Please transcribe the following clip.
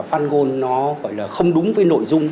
phan gôn nó gọi là không đúng với nội dung